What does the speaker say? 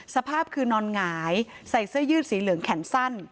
สภาพคือนอนหงายใส่เสื้อยืดสีเหลืองแขนสั้น